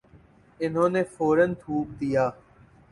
انہوں نے فورا تھوک دیا ۔